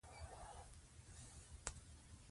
انګریزان به په لندن کې لړزېږي.